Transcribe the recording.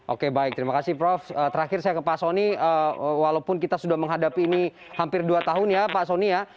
oke baik terima kasih prof terakhir saya ke pak soni walaupun kita sudah menghadapi ini hampir dua tahun ya pak soni ya